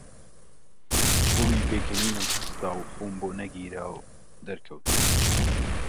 کوڵی پێکەنینم هەستا و خۆم بۆ نەگیرا، دەرکەوتم